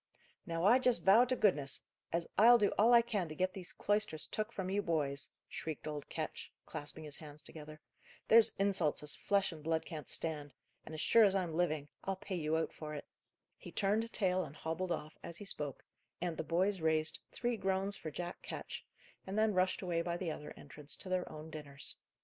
"Now I just vow to goodness, as I'll do all I can to get these cloisters took from you boys," shrieked old Ketch, clasping his hands together. "There's insults as flesh and blood can't stand; and, as sure as I'm living, I'll pay you out for it." He turned tail and hobbled off, as he spoke, and the boys raised "three groans for Jack Ketch," and then rushed away by the other entrance to their own dinners.